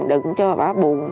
đừng cho bà bà buồn